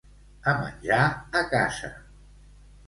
A menjar, a casa.